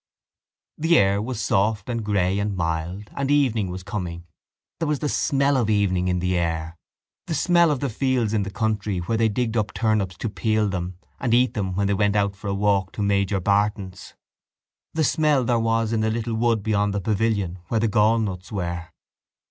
The air was soft and grey and mild and evening was coming. There was the smell of evening in the air, the smell of the fields in the country where they digged up turnips to peel them and eat them when they went out for a walk to Major Barton's, the smell there was in the little wood beyond the pavilion where the gallnuts were.